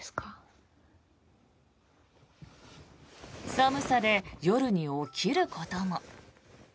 寒さで夜に起きることも。